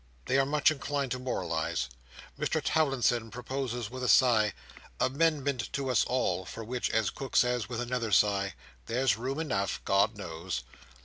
They are much inclined to moralise. Mr Towlinson proposes with a sigh, "Amendment to us all!" for which, as Cook says with another sigh, "There's room enough, God knows."